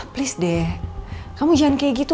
plese jangan begitu